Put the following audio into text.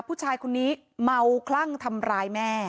ผู้ชายคนนี้เมาคลั่งทำร้ายแม่